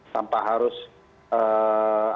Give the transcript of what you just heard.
tanpa harus menerbitkan undang undang